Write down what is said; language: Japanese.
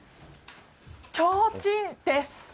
ちょうちんです。